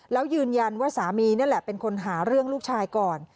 แล้วยืนยันว่าสามีนี่แหละเป็นคนหาเรื่องลูกชายก่อน